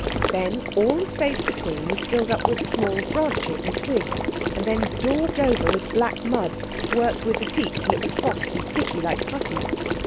Then all the space between was filled up with small branches and twigs, and then daubed over with black mud worked with the feet till it was soft and sticky like putty.